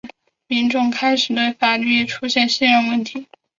民众开始对法律出现信任问题。